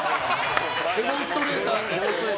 デモンストレーターとして？